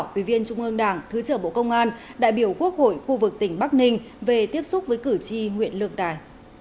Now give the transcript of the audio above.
quy viên trung ương đảng thứ trưởng bộ công an đại biểu quốc hội khu vực tỉnh bắc ninh về tiếp xúc với cử tri nguyện lược tài